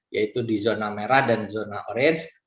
yaitu di zona merah dan zona orange